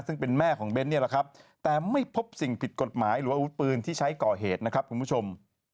ซึ่งเป็นแม่ของเบ้นเนี่ยแหละครับแต่ไม่พบสิ่งผิดกฎหมายหรืออาวุธปืนที่ใช้ก่อเหตุนะครับคุณผู้ชม